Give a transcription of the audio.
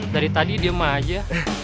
dari tadi diem aja